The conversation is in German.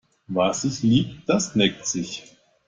Was sich liebt, das neckt sich.